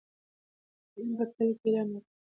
کريم په کلي کې يې اعلان وکړ.